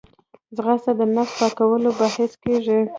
ځغاسته د نفس پاکوالي باعث کېږي